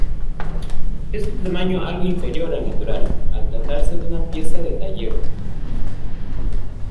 Es de tamaño algo inferior al natural, al tratarse de una pieza de taller.